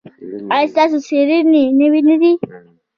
ایا ستاسو څیړنې نوې نه دي؟